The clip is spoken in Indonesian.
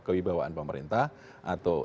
kewibawaan pemerintah atau